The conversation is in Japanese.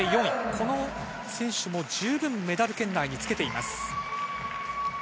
この選手も十分メダル圏内につけています。